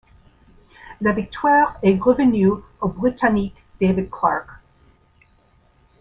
La victoire est revenue au Britannique David Clarke.